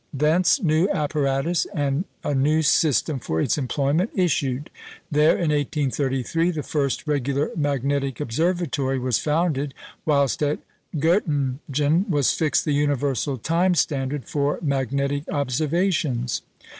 Thence new apparatus, and a new system for its employment, issued; there, in 1833, the first regular magnetic observatory was founded, whilst at Göttingen was fixed the universal time standard for magnetic observations.